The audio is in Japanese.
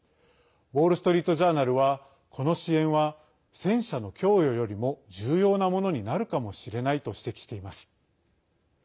ウォール・ストリート・ジャーナルはこの支援は戦車の供与よりも重要なものになるかもしれないと指摘しています。